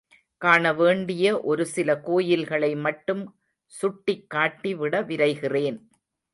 காண வேண்டிய ஒரு சில கோயில்களை மட்டும் சுட்டிக்காட்டி விட விரைகிறேன்.